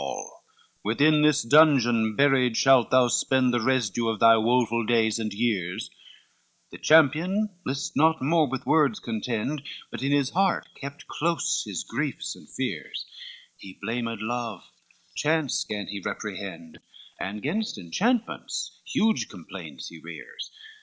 XLVIII "Within this dungeon buried shalt thou spend The res'due of thy woful days and years;" The champion list not more with words contend, But in his heart kept close his griefs and fears, He blamed love, chance gan he reprehend, And gainst enchantment huge complaints he rears.